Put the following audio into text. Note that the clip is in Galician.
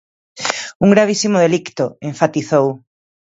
Un gravísimo delicto _enfatizou.